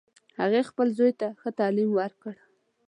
هغې خپل زوی ته ښه تعلیم ورکړ